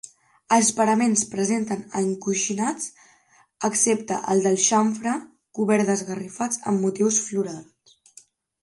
Els paraments presenten encoixinats, excepte el del xamfrà, cobert d'esgrafiats amb motius florals.